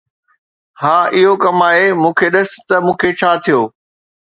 ها، اهو ڪم آهي. مون کي ڏس ته مون کي ڇا ٿيو.